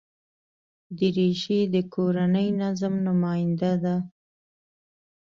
دریشي د کورني نظم نماینده ده.